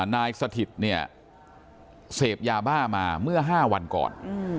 นายสถิตเนี่ยเสพยาบ้ามาเมื่อ๕วันก่อน